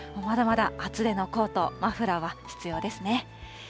まだまだ厚手のコート、マフラーは必要ですね。